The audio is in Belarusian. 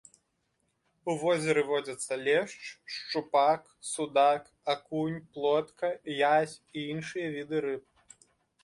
У возеры водзяцца лешч, шчупак, судак, акунь, плотка, язь і іншыя віды рыб.